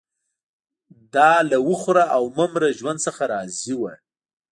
دا له وخوره او مه مره ژوند څخه راضي وو